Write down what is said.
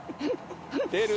出る？